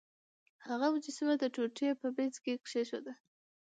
هغه مجسمه د ټوټې په مینځ کې کیښوده.